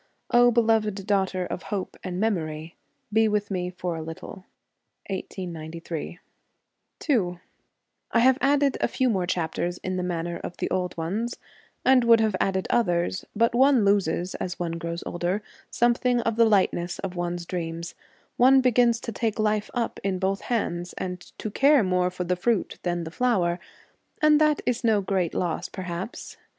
O beloved daughter of Hope and Memory, be with me for a little. 1893. 11 I have added a few more chapters in the manner of the old ones, and would have added others, but one loses, as one grows older, something of the lightness of one's dreams ; one begins to take life up in both hands, and to care more for the fruit than the flower, and that is no great loss perhaps.